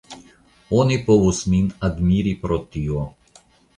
Oni povus min admiri pro tio.